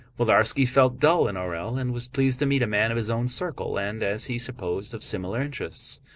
Willarski felt dull in Orël and was pleased to meet a man of his own circle and, as he supposed, of similar interests.